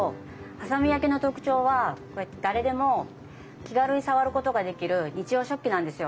波佐見焼の特徴はこうやって誰でも気軽に触ることができる日用食器なんですよ。